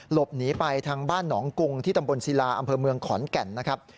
หลบหนีไปทางบ้านหนองกุงที่ตำบลศิลาอำเภอเมืองขอนแก่นนะครับ